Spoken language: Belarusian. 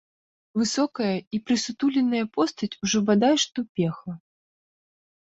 Высокая і прысутуленая постаць ужо бадай што бегла.